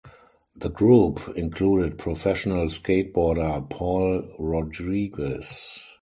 The group included professional skateboarder Paul Rodriguez.